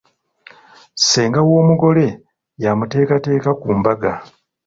Ssenga w'omugole y'amuteekateeka ku mbaga.